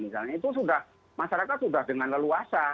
misalnya itu sudah masyarakat sudah dengan leluasa